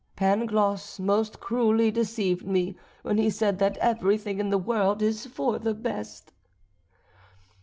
Pangloss most cruelly deceived me when he said that everything in the world is for the best.